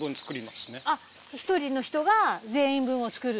１人の人が全員分を作る。